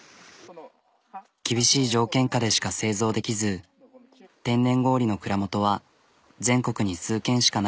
厳しい条件下でしか製造できず天然氷の蔵元は全国に数軒しかないという。